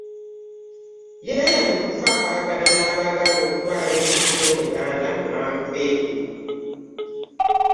Yeeyamye okufaafaagana n'abaagaaa okutwala ebintu by'omutanda mu mankwetu